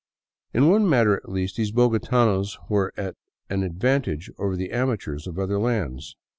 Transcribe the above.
In one matter at least these bogotanos were at an advantage over amateurs of other lands.